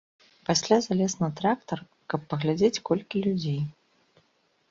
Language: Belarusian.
Пасля залез на трактар, каб паглядзець, колькі людзей.